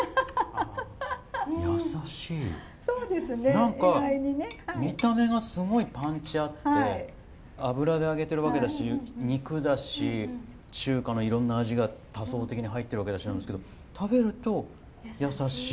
何か見た目がすごいパンチあって油で揚げてるわけだし肉だし中華のいろんな味が多層的に入ってるわけだしなんですけど食べると優しい。